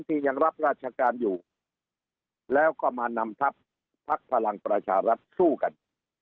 ยังรับราชการอยู่แล้วก็มานำทัพพักพลังประชารัฐสู้กัน